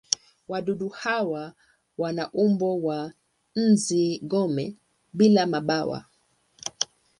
Wadudu hawa wana umbo wa nzi-gome bila mabawa.